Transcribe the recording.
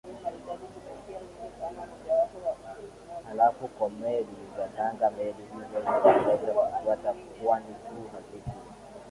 halafu kwa meli za tanga Meli hizo ziliweza kufuata pwani tu hazikuwa